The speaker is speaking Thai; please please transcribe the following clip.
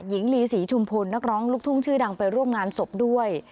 หญิงลีศรีชุมพลนักร้องลูกทุ่งชื่อดังไปร่วมงานศพด้วย